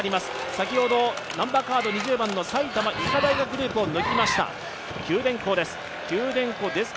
先ほど２０番の埼玉医科大学グループを抜きました九電工です。